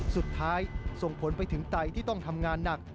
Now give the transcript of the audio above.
สุดท้ายส่งผลไปถึงไตที่ต้องทำงานหนัก